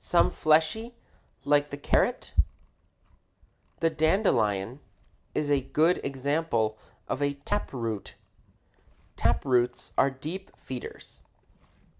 some fleshy like the carrot? The dandelion is a good example of a tap root. Tap roots are deep feeders.